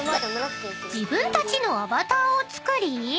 ［自分たちのアバターを作り］